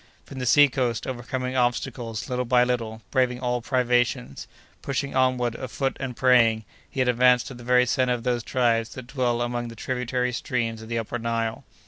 From the sea coast, overcoming obstacles, little by little, braving all privations, pushing onward, afoot, and praying, he had advanced to the very centre of those tribes that dwell among the tributary streams of the Upper Nile.